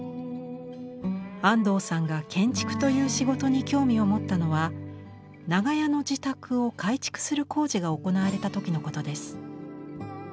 安藤さんが建築という仕事に興味を持ったのは長屋の自宅を改築する工事が行われた時のことです。